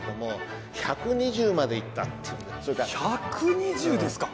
１２０ですか！